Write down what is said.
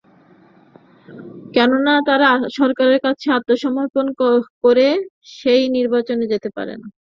কেননা তারা সরকারের কাছে আত্মসমর্পণ করে সেই নির্বাচনে যেতে পারে না।